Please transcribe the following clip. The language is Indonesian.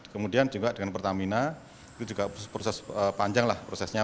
kemudian juga dengan pertamina itu juga proses panjang lah prosesnya